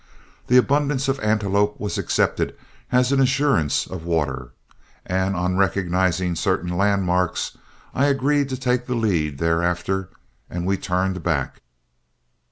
The abundance of antelope was accepted as an assurance of water, and on recognizing certain landmarks, I agreed to take the lead thereafter, and we turned back.